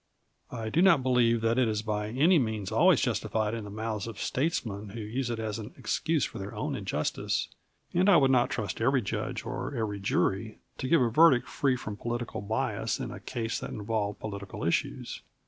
I do not believe that it is by any means always justified in the mouths of statesmen who use it as an excuse for their own injustice, and I would not trust every judge or every jury to give a verdict free from political bias in a case that involved political issues.